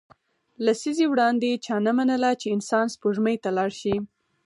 لسیزې وړاندې چا نه منله چې انسان سپوږمۍ ته لاړ شي